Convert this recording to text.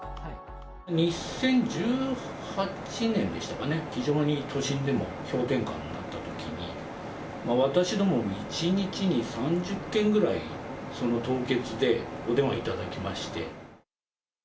２０１８年でしたかね、非常に都心でも氷点下になったときに、私ども一日に３０件ぐらい、凍結でお電話いただきまして。